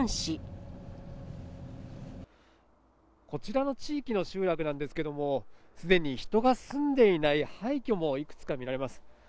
こちらの地域の集落なんですけども、すでに人が住んでいない廃虚もいくつか見られます。